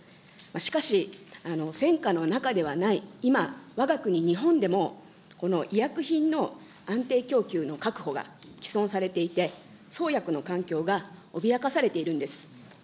しかし、戦渦の中ではない今、わが国日本でも、この医薬品の安定供給の確保が毀損されていて、創薬の環境が脅かされているんです。